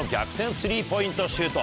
スリーポイントシュート。